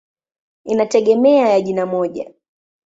Inategemea ya jina moja.